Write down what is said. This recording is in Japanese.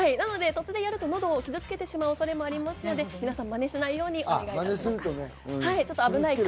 なので突然やると喉を傷付けてしまう恐れもありますので、みなさん、まねしないようにお願いします。